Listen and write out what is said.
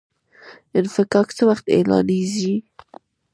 انفکاک څه وخت اعلانیږي؟